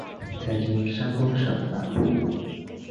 在今山东省南部。